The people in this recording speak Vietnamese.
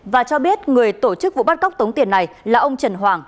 và cho biết người tổ chức vụ bắt cóc tống tiền này là ông trần hoàng